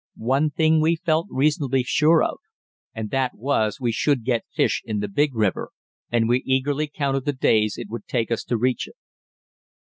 One thing we felt reasonably sure of, and that was we should get fish in the big river, and we eagerly counted the days it would take us to reach it.